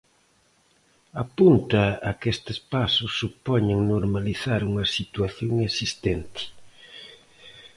Apunta a que estes pasos supoñen normalizar unha situación existente.